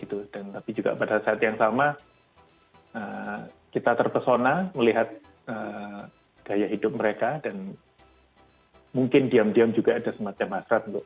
tapi juga pada saat yang sama kita terpesona melihat gaya hidup mereka dan mungkin diam diam juga ada semacam hasrat